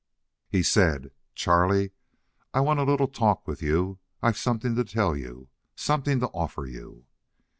He said, "Charlie, I want a little talk with you. I've something to tell you something to offer you."